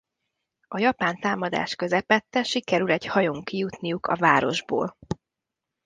A japán támadás közepette sikerül egy hajón kijutniuk a városból.